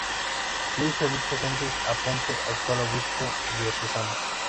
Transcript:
Luis Felipe Sánchez Aponte, actual Obispo Diocesano.